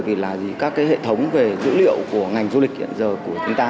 vì là các cái hệ thống về dữ liệu của ngành du lịch hiện giờ của chúng ta